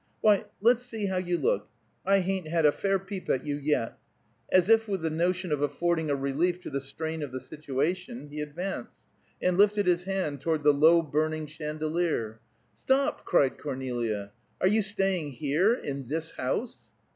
"Why, let's see how you look; I hain't had a fair peep at you, yet." As if with the notion of affording a relief to the strain of the situation, he advanced, and lifted his hand toward the low burning chandelier. "Stop!" cried Cornelia. "Are you staying here in this house?"